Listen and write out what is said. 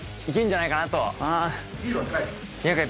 行けんじゃないかなと。